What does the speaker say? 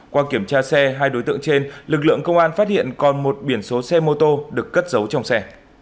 qua kiểm tra xe hai đối tượng trên lực lượng công an phát hiện còn một biển số xe mô tô được cất giấu trong xe